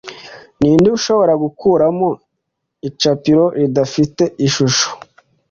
ninde ushobora gukuramo icapiro ridafite ishusho